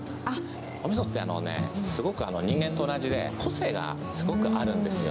おみそって、すごく人間と同じで、個性がすごくあるんですよ。